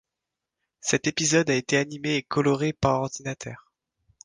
Cet épisode a été animé et coloré par ordinateur.